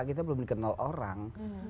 kita belum dikenal orang